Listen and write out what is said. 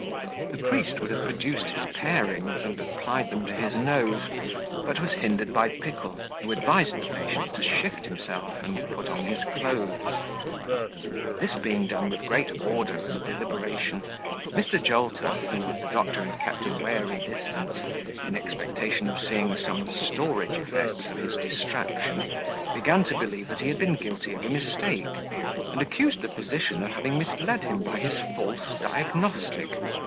The priest would have produced his parings and applied them to his nose, but was hindered by Pickle, who advised the patient to shift himself, and put on his clothes. This being done with great order and deliberation, Mr. Jolter who, with the doctor, had kept a wary distance, in expectation of seeing some storage effects of his distraction, began to believe that he had been guilty of a mistake, and accused the physician of having misled him by his false diagnostic.